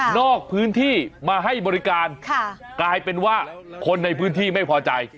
นอกพื้นที่มาให้บริการกลายเป็นว่าคนในพื้นที่ไม่พอใจ